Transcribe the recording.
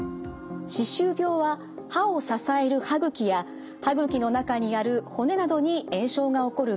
歯周病は歯を支える歯ぐきや歯ぐきの中にある骨などに炎症が起こる病気です。